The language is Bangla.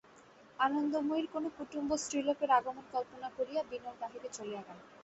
আনন্দময়ীর কোনো কুটুম্ব স্ত্রীলোকের আগমন কল্পনা করিয়া বিনয় বাহিরে চলিয়া গেল।